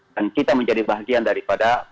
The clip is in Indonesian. dan kita menjadi bahagian daripada